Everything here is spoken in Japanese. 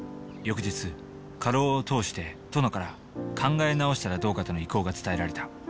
翌日家老を通して殿から考え直したらどうかとの意向が伝えられた。